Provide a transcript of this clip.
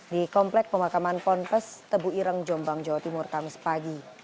di komplek pemakaman ponpes tebu ireng jombang jawa timur kamis pagi